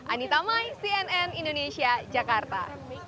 anita mai cnn indonesia jakarta